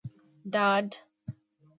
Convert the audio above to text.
ډاډ